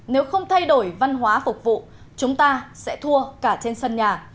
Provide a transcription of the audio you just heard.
nếu không thay đổi văn hóa phục vụ chúng ta sẽ thua cả trên sân nhà